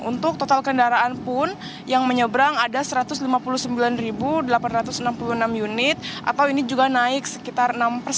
untuk total kendaraan pun yang menyeberang ada satu ratus lima puluh sembilan delapan ratus enam puluh enam unit atau ini juga naik sekitar enam persen